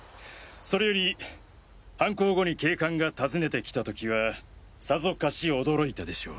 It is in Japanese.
それより犯行後に警官が訪ねて来た時はさぞかし驚いたでしょう。